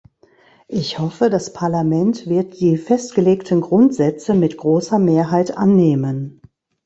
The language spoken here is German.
Ich hoffe, das Parlament wird die festgelegten Grundsätze mit großer Mehrheit annehmen.